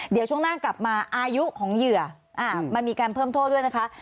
เดี๋ยวช่วงหน้ากลับมาอายุของเหยื่อมันมีการเพิ่มโทษด้วยนะคะ